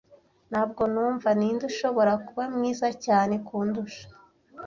Ntabwo numva ninde ushobora kuba mwiza cyane kundusha.